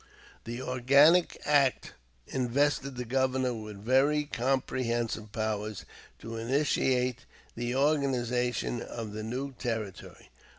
The organic act invested the governor with very comprehensive powers to initiate the organization of the new Territory.